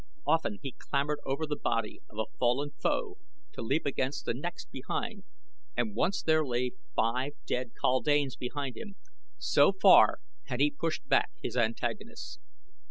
Often he clambered over the body of a fallen foe to leap against the next behind, and once there lay five dead kaldanes behind him, so far had he pushed back his antagonists.